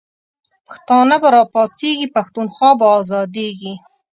پښتانه به را پاڅیږی، پښتونخوا به آزادیږی